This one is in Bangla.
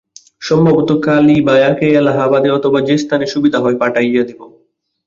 সম্ভবত কালীভায়াকে এলাহাবাদে অথবা যে স্থানে সুবিধা হয়, পাঠাইয়া দিব।